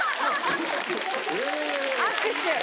握手！